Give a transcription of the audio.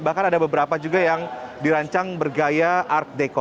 bahkan ada beberapa juga yang dirancang bergaya art deco